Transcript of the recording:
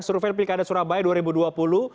survei pilihan kandas surabaya dua ribu dua puluh